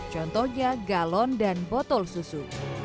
contohnya galon dan botol susu